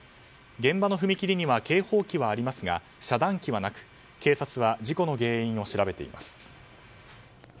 現場の踏切には警報機はありますが遮断機はなく警察は事故の原因を調べています。